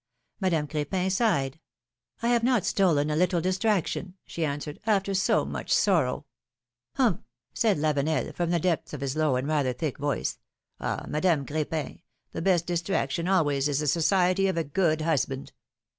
Madame Cr6pin sighed. I have not stolen a little distraction,'^ she answered ; after so much sorrow —" Humph!" said Lavenel, from the depths of his low and rather thick voice. ! Madame Cr^pin, the best distraction always is the society of a good husband."